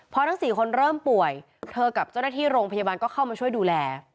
พอทั้ง๔คนเริ่มป่วยเธอกับเจ้าหน้าที่โรงพยาบาลก็เข้ามาช่วยดูแล